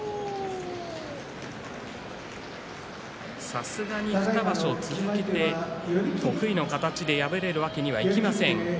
さすがに２場所続けて得意の形で敗れるわけにはいきません。